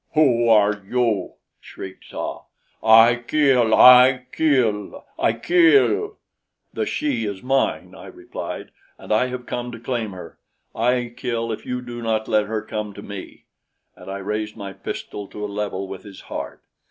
"Who are you?" shrieked Tsa. "I kill! I kill! I kill!" "The she is mine," I replied, "and I have come to claim her. I kill if you do not let her come to me." And I raised my pistol to a level with his heart.